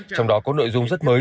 trong đó có nội dung rất mới